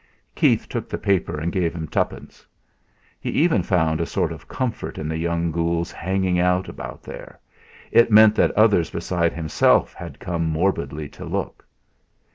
Keith took the paper and gave him twopence. He even found a sort of comfort in the young ghoul's hanging about there; it meant that others besides himself had come morbidly to look.